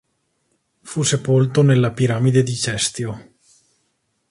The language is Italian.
Fu sepolto nella Piramide di Cestio.